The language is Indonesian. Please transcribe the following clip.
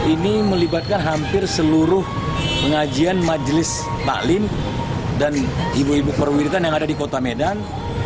ini melibatkan hampir seluruh pengajian majelis taklim dan ibu ibu perwiritan yang ada di kota medan